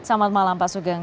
selamat malam pak sugeng